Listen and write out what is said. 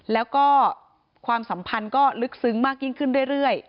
แล้วก็ความสัมพันธ์ก็ลึกซึ้งมากยิ่งขึ้นเรื่อย